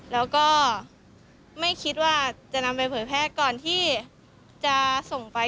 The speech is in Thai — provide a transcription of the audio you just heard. แล้วก็ไม่คิดว่าจะนำไปเผยแพร่ก่อนที่จะส่งไป